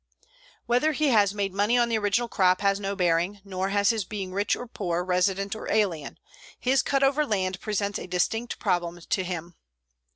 Whether he has made money on the original crop has no bearing; nor has his being rich or poor, resident or alien. His cut over land presents a distinct problem to him.